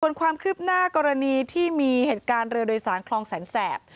ส่วนความคืบหน้ากรณีที่มีเหตุการณ์เรือโดยสารคลองแสนแสบ